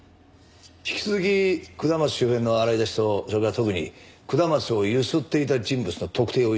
引き続き下松周辺の洗い出しとそれから特に下松をゆすっていた人物の特定を急いでくれ。